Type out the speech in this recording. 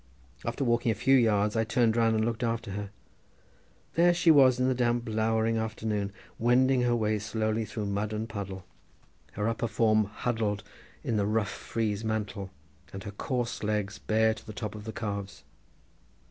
After walking a few yards I turned round and looked after her. There she was in the damp lowering afternoon wending her way slowly through mud and puddle, her upper form huddled in the rough frieze mantle, and her coarse legs bare to the top of the calves.